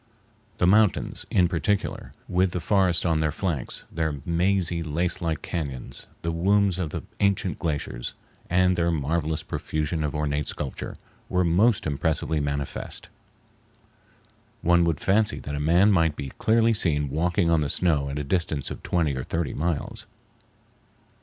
The mountains, in particular, with the forests on their flanks, their mazy lacelike cañons, the wombs of the ancient glaciers, and their marvelous profusion of ornate sculpture, were most impressively manifest. One would fancy that a man might be clearly seen walking on the snow at a distance of twenty or thirty miles.